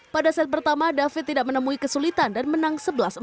pada set pertama david tidak menemui kesulitan dan menang sebelas empat